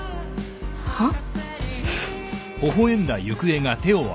はっ？